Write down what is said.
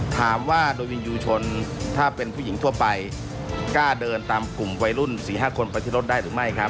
ถามว่าโดยมียูชนถ้าเป็นผู้หญิงทั่วไปกล้าเดินตามกลุ่มวัยรุ่น๔๕คนไปที่รถได้หรือไม่ครับ